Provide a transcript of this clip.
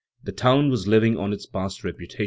The town was living on its past reputation.